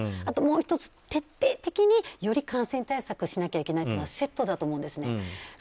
あと、もう１つ徹底的により感染対策をしなきゃいけないのはセットだと思うんですね。